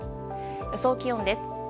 予想気温です。